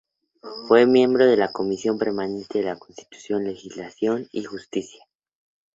Fue miembro de la comisión permanente de Constitución, Legislación y Justicia.